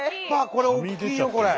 これ大きいよこれ。